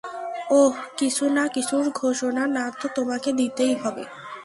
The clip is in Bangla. ওহ, কিছু না কিছুর ঘোষণা না তো তোমাকে দিতেই হবে।